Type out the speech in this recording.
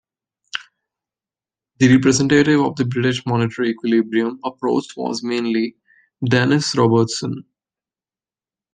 The representative of the British monetary-equilibrium approach was mainly Dennis Robertson.